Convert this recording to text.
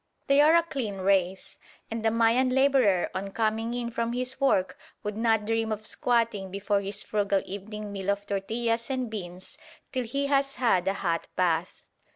They are a clean race, and the Mayan labourer on coming in from his work would not dream of squatting before his frugal evening meal of tortillas and beans till he has had a hot bath.